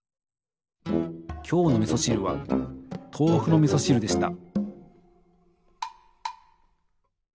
今日のみそしるはとうふのみそしるでした！